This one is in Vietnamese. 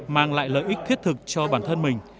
mang lại lợi ích thiết thực cho bản thân mình